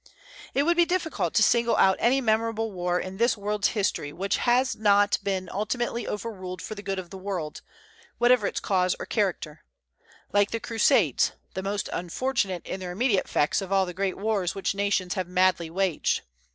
It would be difficult to single out any memorable war in this world's history which has not been ultimately overruled for the good of the world, whatever its cause or character, like the Crusades, the most unfortunate in their immediate effects of all the great wars which nations have madly waged.